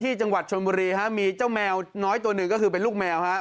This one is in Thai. จังหวัดชนบุรีฮะมีเจ้าแมวน้อยตัวหนึ่งก็คือเป็นลูกแมวฮะ